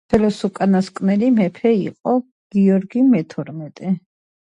იმავე წელს გახდა ფილმ „ორქიდეების“ თანასცენარისტი და რეჟისორი.